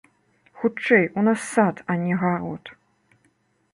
Хутчэй, у нас сад, а не гарод.